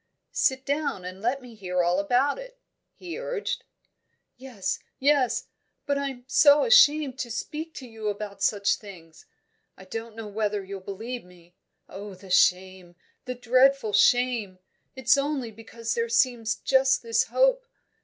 "Sit down and let me hear all about it," he urged. "Yes, yes but I'm so ashamed to speak to you about such things. I don't know whether you'll believe me. Oh, the shame the dreadful shame! It's only because there seems just this hope.